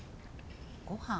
ごはん？